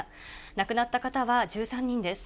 亡くなった方は１３人です。